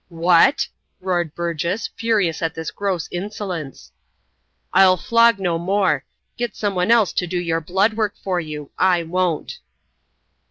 "What?" roared Burgess, furious at this gross insolence. "I'll flog no more. Get someone else to do your blood work for you. I won't."